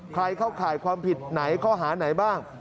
เข้าข่ายความผิดไหนข้อหาไหนบ้าง